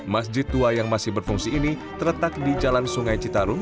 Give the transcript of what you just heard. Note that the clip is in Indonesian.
masjid tua yang masih berfungsi ini terletak di jalan sungai citarum